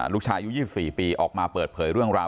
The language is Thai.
ลูกชายอายุ๒๔ปีออกมาเปิดเผยเรื่องราว